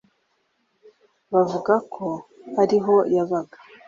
Bavuga ko ariho yabaga